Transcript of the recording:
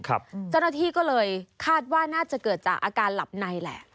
เจ้าหน้าที่ก็เลยคาดว่าน่าจะเกิดจากอาการหลับในแหละ